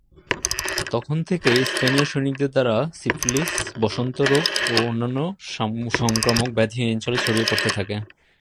তখন থেকেই স্পেনীয় সৈনিকদের দ্বারা সিফিলিস, বসন্ত রোগ এবং অন্যান্য সংক্রামক ব্যাধি এ অঞ্চলে ছড়িয়ে পড়তে থাকে।